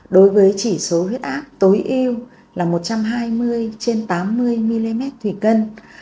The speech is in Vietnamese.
đối với chỉ số huyết áp tối ưu là một trăm hai mươi trên tám mươi mm thủy cân